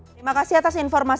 terima kasih atas informasi